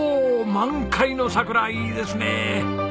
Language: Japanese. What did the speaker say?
満開の桜いいですねえ。